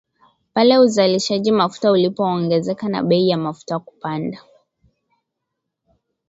pale uzalishaji mafuta ulipoongezeka na bei ya mafuta kupanda